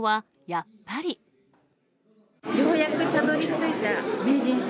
ようやくたどりついた名人戦。